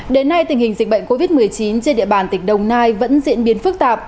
đến nay tình hình dịch bệnh covid một mươi chín trên địa bàn tỉnh đồng nai vẫn diễn biến phức tạp